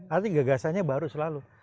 artinya gagasannya baru selalu